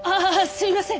すいません！